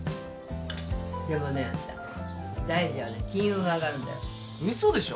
でもねイタッ大蛇はね金運上がるんだよ嘘でしょ？